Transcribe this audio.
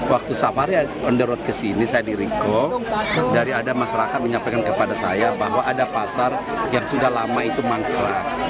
waktu safari on the road kesini saya di recall dari ada masyarakat menyampaikan kepada saya bahwa ada pasar yang sudah lama itu mangkrak